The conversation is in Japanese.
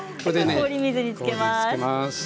お水につけます。